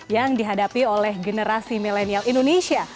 yang dihadapi oleh generasi milenial indonesia